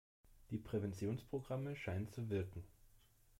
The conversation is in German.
Die Präventionsprogramme scheinen zu wirken.